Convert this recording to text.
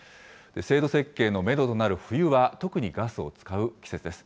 制度設計のメドとなる冬は特にガスを使う季節です。